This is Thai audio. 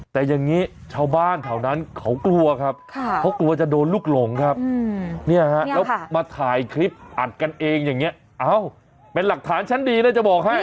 แต่อย่างนี้ชาวบ้านแถวนั้นเขากลัวครับเขากลัวจะโดนลูกหลงครับเนี่ยฮะแล้วมาถ่ายคลิปอัดกันเองอย่างนี้เอ้าเป็นหลักฐานชั้นดีนะจะบอกให้